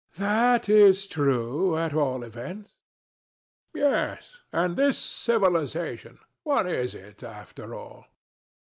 ANA. THAT is true, at all events. THE DEVIL. Yes; and this civilization! what is it, after all?